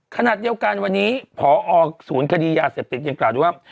ขณะเดียวกันวันนี้พอศูนย์คดียาเสพติดยังกล่าวด้วยว่า